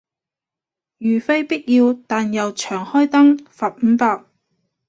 如非必要但又長開燈，罰五百